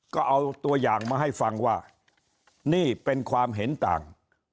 ก็เอาตัวอย่างมาให้ฟังว่านี่เป็นความเห็นต่าง